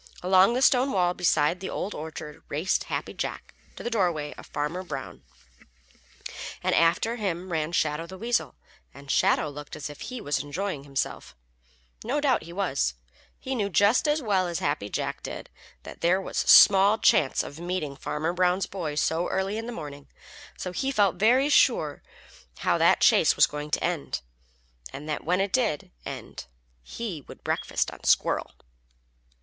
Along the stone wall beside the Old Orchard raced Happy Jack to the dooryard of Farmer Brown, and after him ran Shadow the Weasel, and Shadow looked as if he was enjoying himself. No doubt he was. He knew just as well as Happy Jack did that there was small chance of meeting Farmer Brown's boy so early in the morning, so he felt very sure how that chase was going to end, and that when it did end he would breakfast on Squirrel.